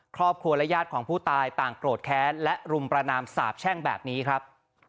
ครอบครัวและญาติของผู้ตายต่างโกรธแค้นและรุมประนามสาบแช่งแบบนี้ครับ